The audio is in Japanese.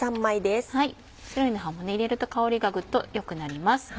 セロリの葉も入れると香りがぐっと良くなります。